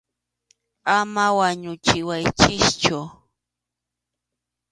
Ama wañuchiwaychikchu.